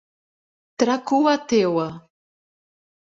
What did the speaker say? Tracuateua